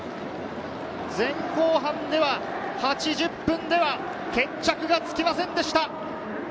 前後半では、８０分では決着がつきませんでした。